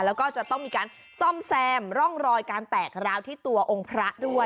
แล้วก็จะต้องมีการซ่อมแซมร่องรอยการแตกร้าวที่ตัวองค์พระด้วย